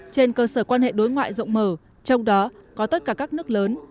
trên cơ sở quan hệ đối ngoại rộng mở trong đó có tất cả các nước lớn